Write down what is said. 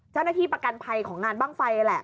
เจ้าหน้าที่ประกันภัยของงานบ้างไฟแหละ